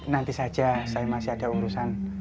nanti saja saya masih ada urusan